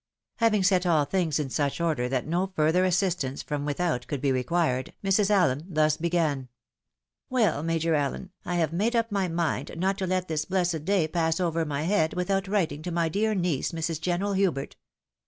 ECLAIRCISSEMENT. 25 Having set all things in suoli order that no further assist ance from without could be required, Mrs. Allen thus began :—" Well, Major AUen, I have made up my mind not to let this blessed day pass over my head, without writing to my dear niece, Mrs. General Hubert.